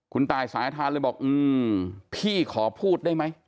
คุณตายสายทานเลยบอกพี่ขอพูดได้ไหม